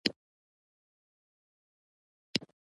غلجیان د افغان قبایلو تر ټولو لوی قام دی.